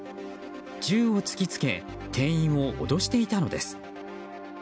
銃を突き付け店員を脅していたのです。